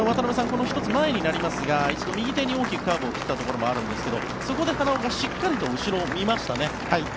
この１つ前になりますが一度、右手に大きくカーブを切ったところがありますがそこで花尾がしっかりと後ろを見ましたね。